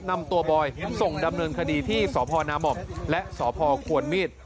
นำตัวบอยส่งดำเนินคดีที่สพนาม่อมและสพควรมีด